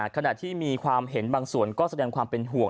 ขณะที่มีความเห็นบางส่วนก็แสดงความเป็นห่วง